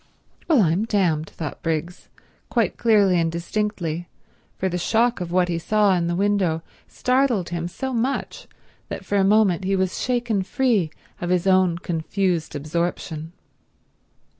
"Well I'm damned," thought Briggs, quite clearly and distinctly, for the shock of what he saw in the window startled him so much that for a moment he was shaken free of his own confused absorption.